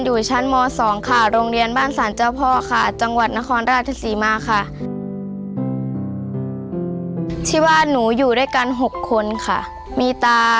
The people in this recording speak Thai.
อยู่ชั้นม๒ค่ะโรงเรียนบ้านสารเจ้าพ่อค่ะจังหวัดนครราชศรีมาค่ะที่บ้านหนูอยู่ด้วยกัน๖คนค่ะมีตา